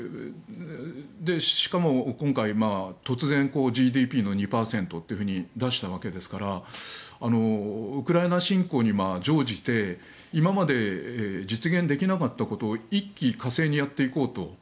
しかも今回、突然ＧＤＰの２％と出したわけですからウクライナ侵攻に乗じて今まで実現できなかったことを一気呵成にやっていこうと。